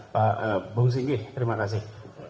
pak bungsi ini terima kasih